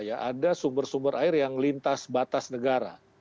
ada sumber sumber air yang lintas batas negara